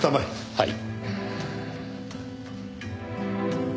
はい。